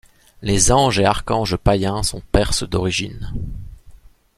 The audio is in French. Les anges et archanges païens sont perses d'origine.